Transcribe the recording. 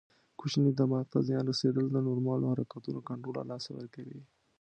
کوچني دماغ ته زیان رسېدل د نورمالو حرکتونو کنټرول له لاسه ورکوي.